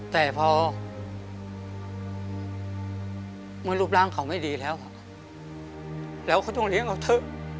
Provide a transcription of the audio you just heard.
แต่พอเมื่อรูปร่างของเขาไม่ดีแล้วแล้วเขาต้องเลี้ยงกับเธอ